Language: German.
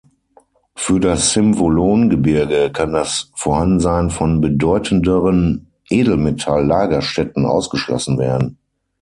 Für das Symvolon-Gebirge kann das Vorhandensein von bedeutenderen Edelmetall-Lagerstätten ausgeschlossen werden.